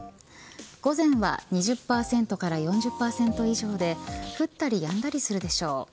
午前は２０％から４０％以上で降ったりやんだりするでしょう。